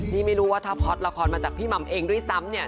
นี่ไม่รู้ว่าถ้าพอร์ตละครมาจากพี่หม่ำเองด้วยซ้ำเนี่ย